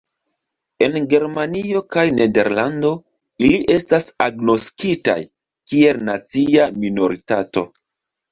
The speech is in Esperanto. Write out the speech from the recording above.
En Germanio kaj Nederlando ili estas agnoskitaj kiel nacia minoritato.